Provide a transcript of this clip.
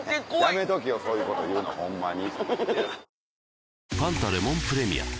やめとけよそういうこと言うのホンマに。